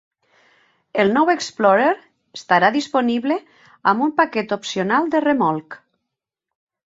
El nou Explorer estarà disponible amb un paquet opcional de remolc.